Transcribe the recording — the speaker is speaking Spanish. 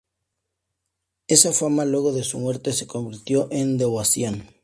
Esa fama, luego de su muerte, se convirtió en devoción.